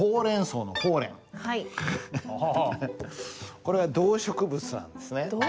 これは動植物なんですね。